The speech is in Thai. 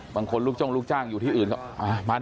บางคนลูกจ้องลูกจ้างอยู่ที่อื่นก็